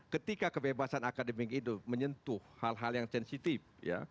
ketika kebebasan akademik itu menyentuh hal hal yang sensitif